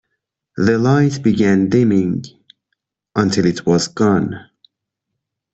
The light began dimming until it was gone.